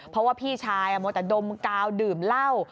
เพราะว่าพี่ชายมัวแต่ดมกาวดื่มเหล้า